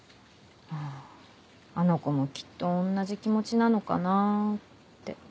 あの子もきっと同じ気持ちなのかなぁって。